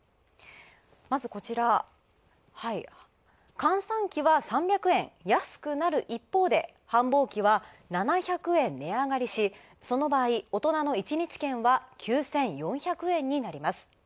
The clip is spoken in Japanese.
まず、閑散期は３００円安くなる一方で繁忙期は７００円値上がりし、その場合、大人の１日券は９４００円になります。